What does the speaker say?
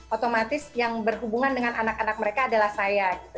otomatis yang berhubungan dengan anak anak mereka adalah saya